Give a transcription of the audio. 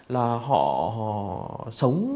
là họ sống